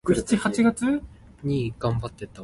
竹篙鬥菜刀